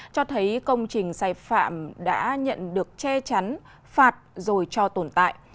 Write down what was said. cho thấy công trình sai phạm đã nhận được che chắn phạt rồi cho tồn tại